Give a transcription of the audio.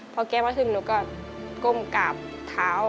พอแกมาถึงหนูก็ก้มกราบเท้า